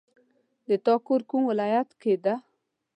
د تا کور کوم ولایت کې ده